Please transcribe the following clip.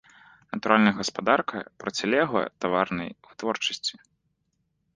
Натуральная гаспадарка процілегла таварнай вытворчасці.